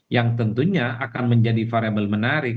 yang tentunya akan menjadi variable menarik